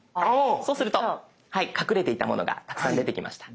そうすると隠れていたものがたくさん出てきました。